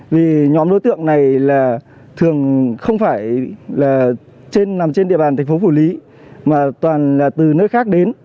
vì nhóm đối tượng này thường không phải nằm trên địa bàn tp cn mà toàn là từ nơi khác đến